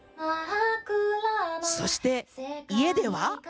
そして、家では。